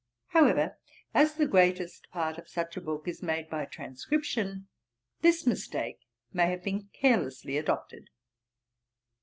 However, as the greatest part of such a book is made by transcription, this mistake may have been carelessly adopted.